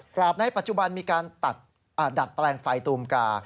ในปัจจุบันมีการดัดแปลงไฟตูมกา